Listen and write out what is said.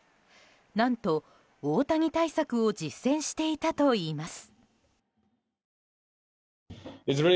何と、大谷対策を実践していたといいます。